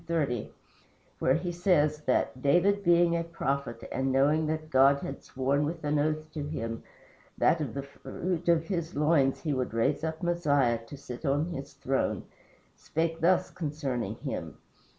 30, where he says that "David being a prophet, and knowing that God had sworn with an oath to him that of the fruit of his loins he would raise up Messiah to sit on his throne, spake thus concerning him."